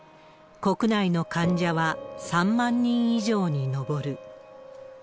国内の患者は３万人以上に上る。